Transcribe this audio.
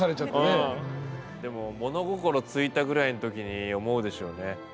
でも物心付いたぐらいの時に思うでしょうね。